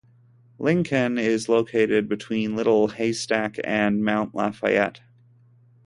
Lincoln is located between Little Haystack and Mount Lafayette.